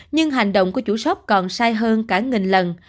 nhưng hành động của chủ shop còn sai hơn cả nghìn lần